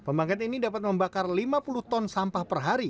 pembangkit ini dapat membakar lima puluh ton sampah perharian